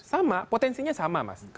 sama potensinya sama mas